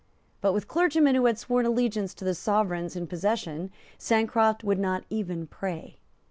But with clergymen who had sworn allegiance to the Sovereigns in possession Sancroft would not even pray.